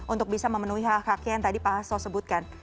untuk bisa memenuhi hak haknya yang tadi pak hasto sebutkan